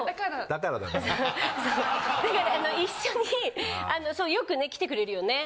だから一緒によくね来てくれるよね。